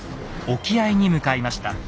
沖合に向かいました。